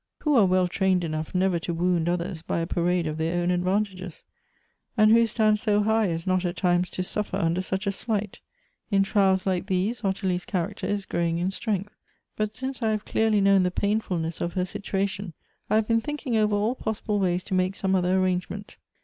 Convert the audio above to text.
Who are well trained enough never to wound others by a parade of their own advan tages '? and who stands so high as not at times to suffer under such a slight ? In trials like these, Ottilie's character is growing in strength, but since I have clearly known the painfulness of her situation, I have been thinking over all possible ways to make some other arrangement.